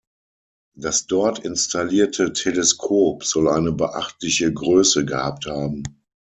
Das dort installierte Teleskop soll eine beachtliche Größe gehabt haben.